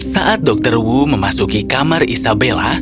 saat dokter wu memasuki kamar isabella